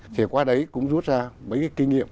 thì qua đấy cũng rút ra mấy cái kinh nghiệm